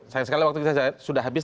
sayang sekali waktu kita sudah habis